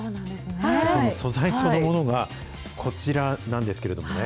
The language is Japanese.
素材そのものはこちらなんですけれどもね。